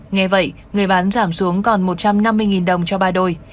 nghe vậy người bán giảm xuống còn một trăm năm mươi đồng cho ba đôi